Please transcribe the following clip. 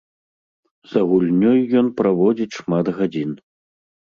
За гульнёй ён праводзіць шмат гадзін.